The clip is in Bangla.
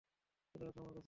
চলে আসো আমার কাছে!